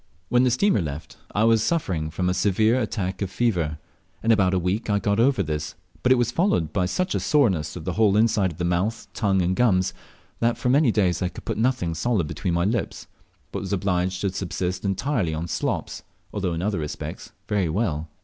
When the steamer left, I was suffering from a severe attack of fever. In about a week I got over this, but it was followed by such a soreness of the whole inside of the mouth, tongue, and gums, that for many days I could put nothing solid between my lips, but was obliged to subsist entirely on slops, although in other respects very well.